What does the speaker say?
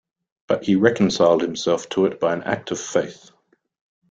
But he reconciled himself to it by an act of faith.